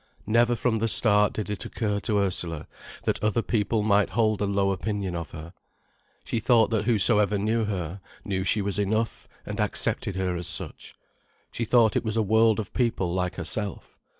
Never from the start did it occur to Ursula that other people might hold a low opinion of her. She thought that whosoever knew her, knew she was enough and accepted her as such. She thought it was a world of people like herself.